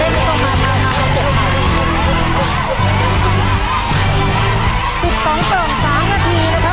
น้องจะได้ไม่ต้องมาครับ